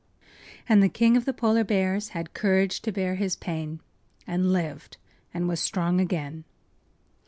” And the King of the Polar Bears had courage to bear his pain and lived and was strong again.